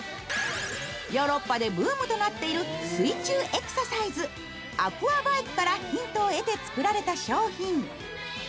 ヨーロッパでブームとなっている水中エクササイズ、アクアバイクからヒントを得て作られた商品。